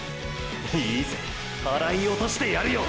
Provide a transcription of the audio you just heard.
いいぜはらいおとしてやるよ！！